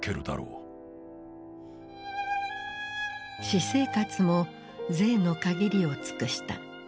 私生活も贅の限りを尽くした。